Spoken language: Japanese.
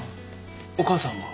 お母さんは？